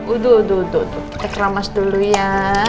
udah udah ada lama dulu ya